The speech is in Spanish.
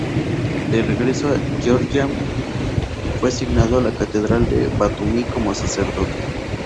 De regreso a Georgia fue asignado a la Catedral de Batumi como sacerdote.